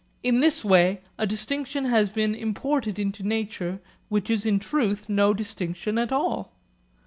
In this way a distinction has been imported into nature which is in truth no distinction at all.